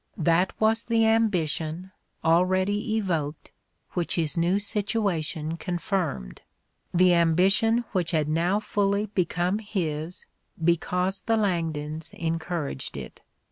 That was the ambition, already evoked, which his new situation confirmed, the ambition which had now fully become his because the Langdons encouraged it.